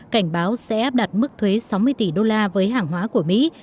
cảnh báo sẽ áp đặt mức thuế sáu mươi tỷ usd với hãng hóa của mỹ